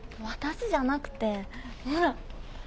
私じゃなくてほら。